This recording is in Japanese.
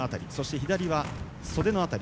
左は袖の辺り。